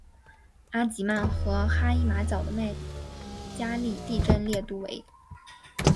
阿吉曼和哈伊马角的麦加利地震烈度为。